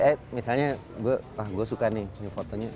eh misalnya gue suka nih fotonya